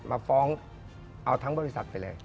มาฟ้องเอาทั้งบริษัทไปเลย